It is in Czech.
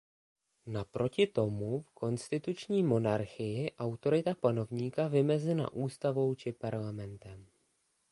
Naproti tomu v konstituční monarchii autorita panovníka vymezena ústavou či parlamentem.